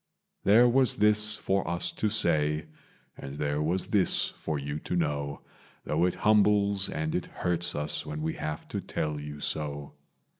"There was this for us to say and there was this for you to know, Though it humbles and it hurts us when we have to tell you so.